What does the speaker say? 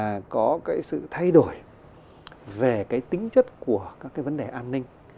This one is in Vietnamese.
và có cái sự thay đổi về cái tính chất của các cái vấn đề an ninh